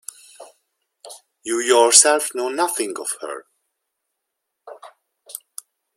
You yourself know nothing of her.